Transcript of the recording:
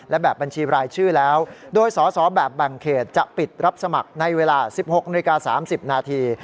และแบบบัญชีรายชื่อแล้วโดยสอสอแบบแบ่งเขตจะปิดรับสมัครในเวลา๑๖นาฬิกา๓๐นาที